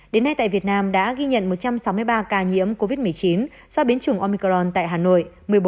đến nay tại việt nam đã ghi nhận một trăm sáu mươi ba ca nhiễm covid một mươi chín do biến chủng omicron tại hà nội một mươi bốn